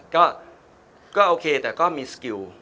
ก็โอเคแต่ก็มีสกิล